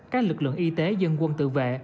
các lực lượng y tế dân quân tự vệ